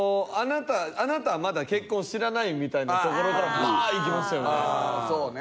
あなたはまだ結婚知らないみたいなところからバーッいきましたよね。